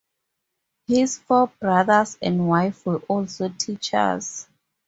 His four brothers and wife were also teachers.